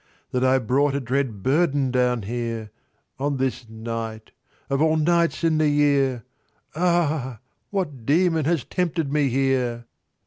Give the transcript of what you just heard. — That I brought a dread burden down here— On this night, of all nights in the year, Ah, what demon has tempted me here?